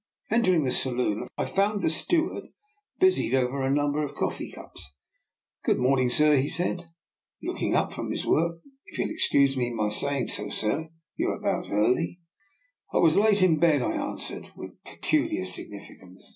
Entering the saloon, I found the steward busied over a number of coffee cups. " Good morning, sir," he said, looking up from his work. " If you'll excuse my saying so, sir, you're about early." DR. NIKOLA'S EXPERIMENT. 107 " I was late in bed," I answered, with pe culiar significance.